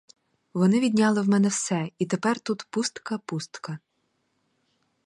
Вони відняли в мене все, і тепер тут — пустка, пустка!